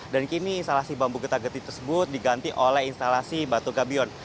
dan kini instalasi bambu getah getih tersebut diganti oleh instalasi batu gabion